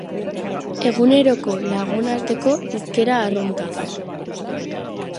Eguneroko lagunarteko hizkera arrunta.